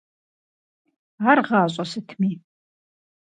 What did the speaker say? Ар гъащӀэ сытми?